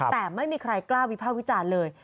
แต่ไม่มีใครกล้าวิภาควิจารณ์เลย